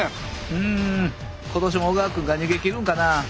うん今年も小川くんが逃げきるんかなぁ。